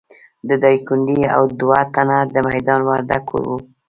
د ډایکنډي او دوه تنه د میدان وردګو وو.